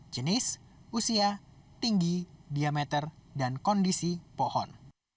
jenis usia tinggi diameter dan kondisi pohon